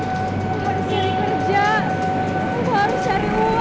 bukan disini kerja aku harus cari uang